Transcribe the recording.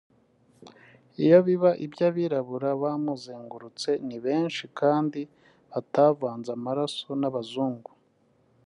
Iyo biba ibyo abirabura bamuzengurutse ni benshi kandi batavanze amaraso nabazungu